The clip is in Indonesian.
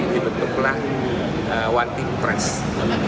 dibentuklah one in press